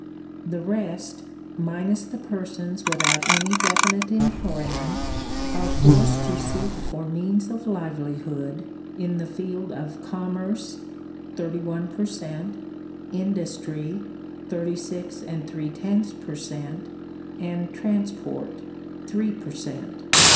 the rest, minus the persons without any definite employment are forced to seek for means of livelihood in the field of commerce (thirty one per cent.), industry (thirty six and three tenths per cent.), and transport (three per cent.)